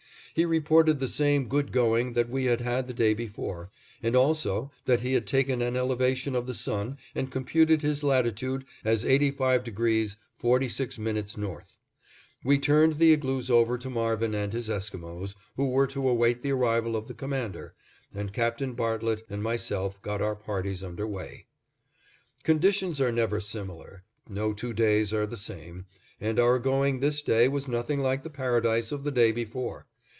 He reported the same good going that we had had the day before, and also that he had taken an elevation of the sun and computed his latitude as 85° 46' north. We turned the igloos over to Marvin and his Esquimos, who were to await the arrival of the Commander, and Captain Bartlett and myself got our parties under way. Conditions are never similar, no two days are the same; and our going this day was nothing like the paradise of the day before.